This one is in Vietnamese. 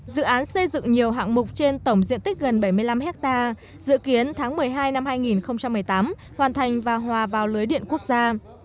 dự án xây dựng nhiều hạng mục trên tổng diện tích gần bảy mươi năm hectare dự kiến tháng một mươi hai năm hai nghìn một mươi tám hoàn thành và hòa vào lưới điện quốc gia